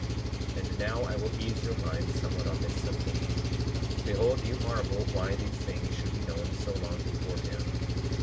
39:17 And now I will ease your mind somewhat on this subject. Behold, you marvel why these things should be known so long beforehand.